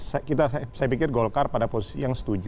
saya pikir golkar pada posisi yang setuju